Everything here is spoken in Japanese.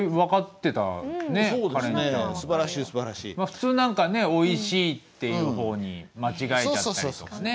普通なんかね「美味しい」っていう方に間違えちゃったりとかね。